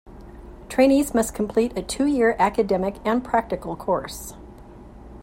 Trainees must complete a two-year academic and practical course.